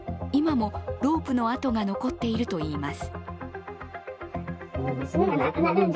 今もロープの跡が残っているといいます。